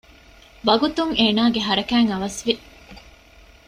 ވަގުތުން އޭނާގެ ހަރަކާތް އަވަސްވި